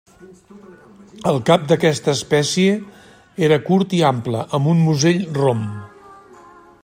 El cap d'aquesta espècie era curt i ample, amb un musell rom.